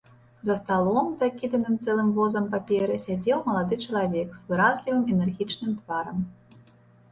За сталом, закіданым цэлым возам паперы, сядзеў малады чалавек з выразлівым энергічным тварам.